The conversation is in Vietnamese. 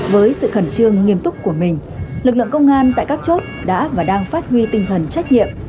với sự khẩn trương nghiêm túc của mình lực lượng công an tại các chốt đã và đang phát huy tinh thần trách nhiệm